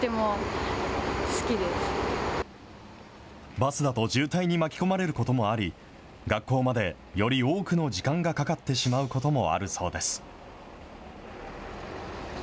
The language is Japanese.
バスだと渋滞に巻き込まれることもあり、学校まで、より多くの時間がかかってしまうこともあるそうです。